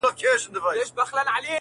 چي خوري در نه ژوندي بچي د میني قاسم یاره